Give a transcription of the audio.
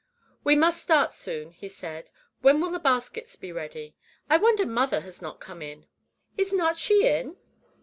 "We must start soon," he said. "When will the baskets be ready? I wonder mother has not come in." "Is not she in?"